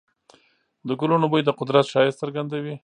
د ګلونو بوی د قدرت ښایست څرګندوي.